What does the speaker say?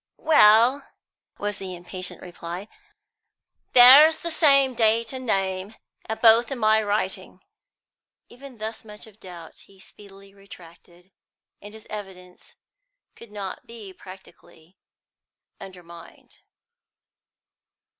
"Well," was the impatient reply, "there's the same date and name, and both in my writing." But even thus much of doubt he speedily retracted, and his evidence could not be practically undermined.